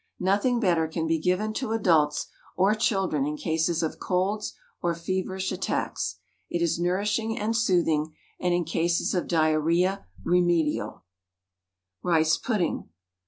Nothing better can be given to adults or children in cases of colds or feverish attacks. It is nourishing and soothing, and in cases of diarrhoea remedial. RICE PUDDING.